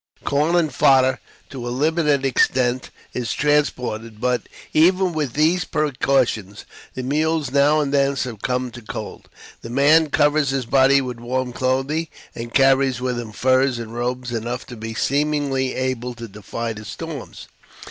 Corn and fodder, to a limited extent, is transported; but, even with these precautions, the mules now and then succumb to cold. The man covers his body with warm clothing and carries with him furs and robes enough to be seemingly able to defy the storms.